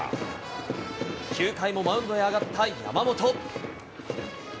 ９回もマウンドへ上がった山本。